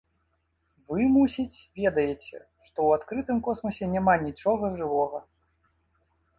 Вы, мусіць, ведаеце, што ў адкрытым космасе няма нічога жывога.